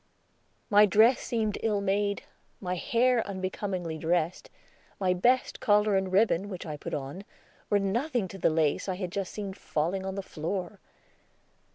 My dress seemed ill made; my hair unbecomingly dressed; my best collar and ribbon, which I put on, were nothing to the lace I had just seen falling on the floor.